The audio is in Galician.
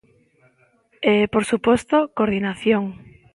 E, por suposto, coordinación.